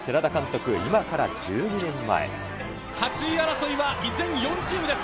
８位争いは依然４チームです。